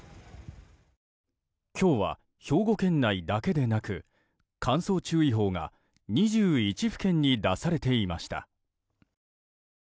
今日は兵庫県内だけでなく乾燥注意報が２１府県に出されていました。